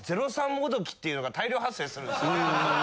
っていうのが大量発生するんですよ。